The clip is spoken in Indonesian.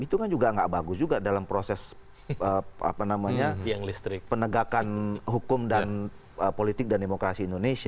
itu kan juga nggak bagus juga dalam proses penegakan hukum dan politik dan demokrasi indonesia